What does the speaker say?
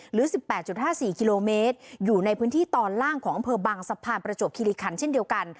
หรือ๑๘๕๔กิโลเมตรอยู่ในพื้นที่ตอนล่างของอำเภอบังสะพานประจวบคิริคันเช่นเดียวกัน